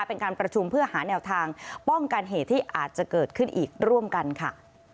เป็นการประชุมเพื่อหาแนวทางป้องกันเหตุที่อาจจะเกิดขึ้นอีกร่วมกันค่ะ